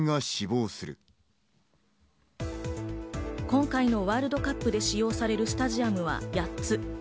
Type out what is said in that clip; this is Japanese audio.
今回のワールドカップで使用されるスタジアムは８つ。